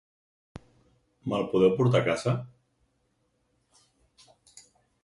Mel podeu portar a casa?